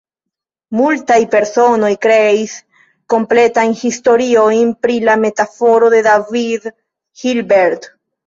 Multaj personoj kreis kompletajn historiojn pri la metaforo de David Hilbert.